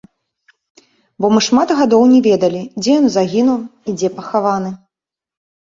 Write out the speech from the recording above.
Бо мы шмат гадоў не ведалі, дзе ён загінуў і дзе пахаваны.